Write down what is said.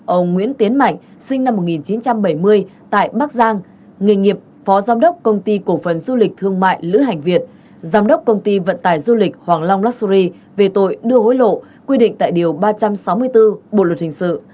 ông nguyễn tiến mạnh sinh năm một nghìn chín trăm bảy mươi tại bắc giang nghề nghiệp phó giám đốc công ty cổ phần du lịch thương mại lữ hành việt giám đốc công ty vận tải du lịch hoàng long lulasuri về tội đưa hối lộ quy định tại điều ba trăm sáu mươi bốn bộ luật hình sự